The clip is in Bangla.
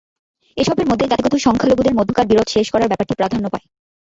এসবের মধ্যে জাতিগত সংখ্যালঘুদের মধ্যকার বিরোধ শেষ করার ব্যাপারটি প্রাধান্য পায়।